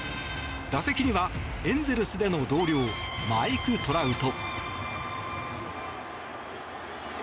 打席にはエンゼルスでの同僚マイク・トラウト。